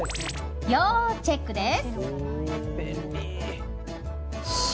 要チェックです。